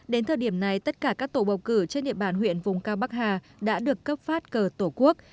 đến thời điểm này tất cả các tổ bầu cử trên địa bàn huyện vùng cao bắc hà đã được cấp phát cờ tổ quốc